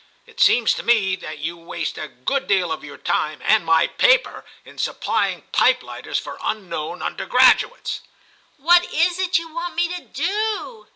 It seems to me that you waste a good deal of your time and my paper in supplying pipe lighters for unknown undergraduates/ * What is it you want me to do